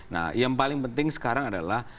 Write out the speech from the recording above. nah yang paling penting sekarang adalah